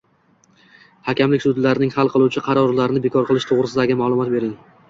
Hakamlik sudlarining hal qiluv qarorlarini bekor qilish to‘g‘risidagi ma’lumot bering?